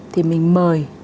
thì mình mời